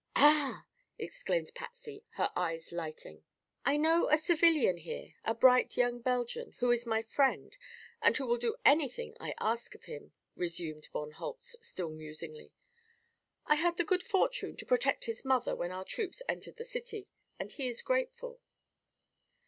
"Ah!" exclaimed Patsy, her eyes lighting. "I know a civilian here a bright young Belgian who is my friend and will do anything I ask of him," resumed von Holtz, still musingly. "I had the good fortune to protect his mother when our troops entered the city, and he is grateful."